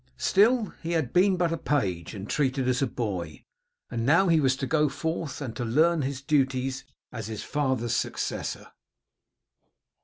Still, he had been but a page, and treated as a boy. Now he was to go forth, and to learn his duties as his father's successor.